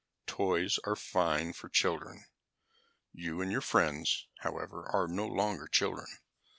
"Toys are fine for children. You and your friends, however, are no longer children.